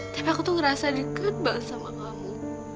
tapi aku tuh ngerasa deket banget sama kamu